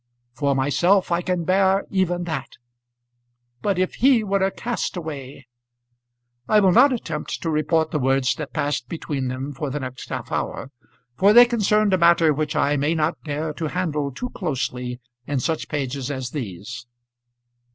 For myself I can bear even that. But if he were a castaway !" I will not attempt to report the words that passed between them for the next half hour, for they concerned a matter which I may not dare to handle too closely in such pages as these.